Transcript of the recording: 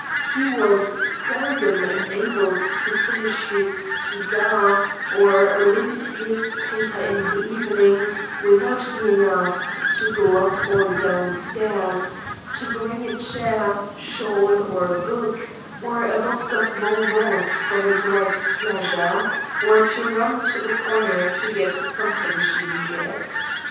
He was seldom enabled to finish his cigar or read his paper in the evening without being asked to go up or down stairs, to bring a chair, shawl, or book, or a box of bonbons for his wife's pleasure, or to run to the corner to get something she needed.